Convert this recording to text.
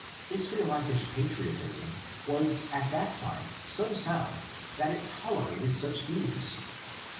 Israelitish patriotism was at that time so sound that it tolerated such views.